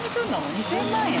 ２０００万円？